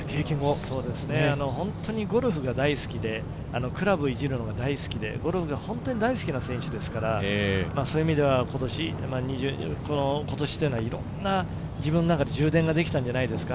本当にゴルフが大好きでクラブをいじるのが大好きで、ゴルフが本当に大好きな選手ですから、今年というのは、いろんな自分の中で充電ができたんじゃないですか。